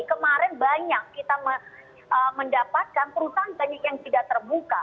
kemarin banyak kita mendapatkan perusahaan banyak yang tidak terbuka